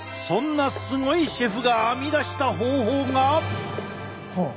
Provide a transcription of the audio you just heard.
そんなすごいシェフが編み出した方法が。